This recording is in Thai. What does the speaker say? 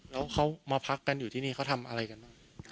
แล้วเขามาพักกันอยู่ที่นี่เขาทำอะไรกันบ้าง